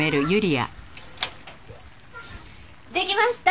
できました！